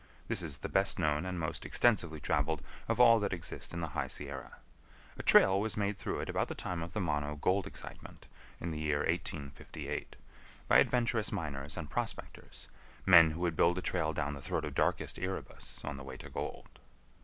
This is the best known and most extensively traveled of all that exist in the High Sierra. A trail was made through it about the time of the Mono gold excitement, in the year 1858, by adventurous miners and prospectors—men who would build a trail down the throat of darkest Erebus on the way to gold.